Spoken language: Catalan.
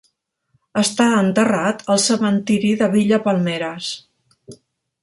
Està enterrat al cementiri de Villa Palmeras.